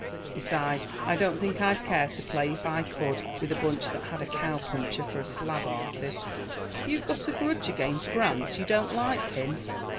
Besides, I don't think I'd care to play if I could with a bunch that had a cow puncher for a slab artist." "You've got a grudge against Grant. You don't like him."